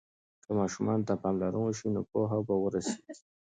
که ماشوم ته پاملرنه وسي نو پوهه به ورسيږي.